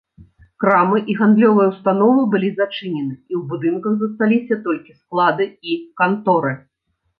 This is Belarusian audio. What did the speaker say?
Крамы і гандлёвыя ўстановы былі зачынены і ў будынках засталіся толькі склады і канторы.